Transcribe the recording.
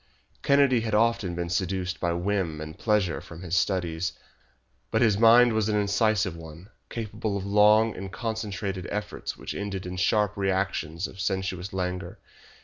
Kennedy had often been seduced by whim and pleasure from his studies, but his mind was an incisive one, capable of long and concentrated efforts which ended in sharp reactions of sensuous languor.